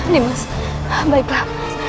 nih mas baiklah